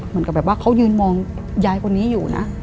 เหมือนกับแบบว่าเขายืนมองยายคนนี้อยู่นะ